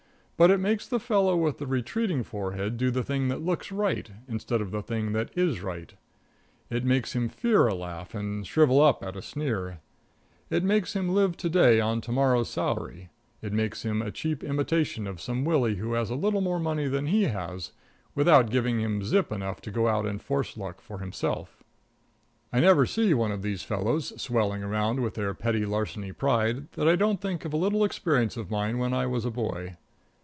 But it makes the fellow with the retreating forehead do the thing that looks right, instead of the thing that is right; it makes him fear a laugh and shrivel up at a sneer; it makes him live to day on to morrow's salary; it makes him a cheap imitation of some Willie who has a little more money than he has, without giving him zip enough to go out and force luck for himself. I never see one of these fellows swelling around with their petty larceny pride that I don't think of a little experience of mine when I was a boy.